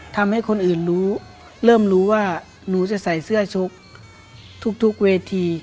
ทำให้คนอื่นรู้เริ่มรู้ว่าหนูจะใส่เสื้อชกทุกเวที